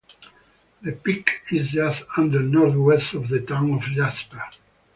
The peak is just under north-west of the town of Jasper.